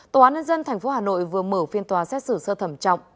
tòa án nhân dân thành phố hà nội vừa mở phiên tòa xét xử sơ thẩm trọng